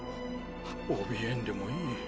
おびえんでもいい。